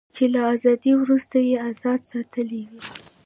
چې له ازادۍ وروسته یې ازادي ساتلې وي.